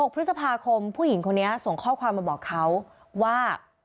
๖พฤษภาคมผู้หญิงคนนี้ส่งข้อความมาบอกเขาว่า